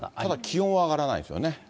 ただ気温は上がらないですよね。